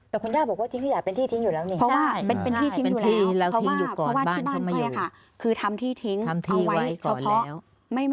แต่คุณย่าบอกว่าทิ้งขยะเป็นที่ทิ้งอยู่แล้วนี่